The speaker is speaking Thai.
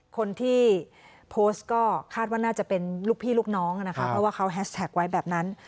คนที่โพสต์ก็คาดว่าน่าจะเป็นลูกพี่ลูกน้องนะคะเพราะว่าเขาแฮสแท็กไว้แบบนั้น